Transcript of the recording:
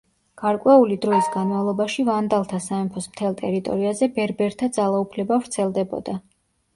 გარკვეული დროის განმავლობაში ვანდალთა სამეფოს მთელ ტერიტორიაზე ბერბერთა ძალაუფლება ვრცელდებოდა.